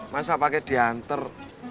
masa pake diantar